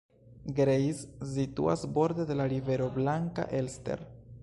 Greiz situas borde de la rivero Blanka Elster.